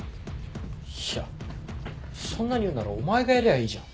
いやそんなに言うならお前がやりゃいいじゃん。